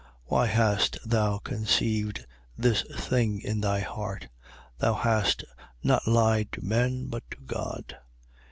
Why hast thou conceived this thing in thy heart? Thou hast not lied to men, but to God.